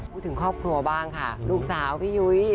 พูดถึงครอบครัวบ้างค่ะลูกสาวพี่ยุ้ย